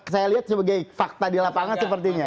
saya lihat sebagai fakta di lapangan sepertinya